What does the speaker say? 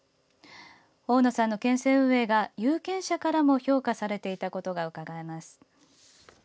大野さんの県政運営が有権者からも評価されていたことがうかがえます。